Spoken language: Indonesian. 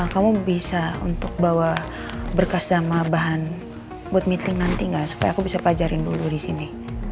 kamu bisa untuk bawa berkas dama bahan buat meeting nanti nggak supaya aku bisa pajarin dulu disini